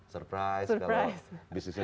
surprise kalau bisnisnya